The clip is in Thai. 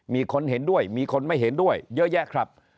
มีคนเห็นด้วยมีคนไม่เห็นด้วยเยอะแยะครับ